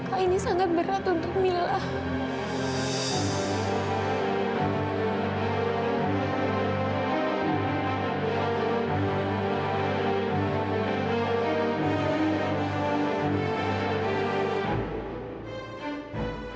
dan ini sangat berat untuk mila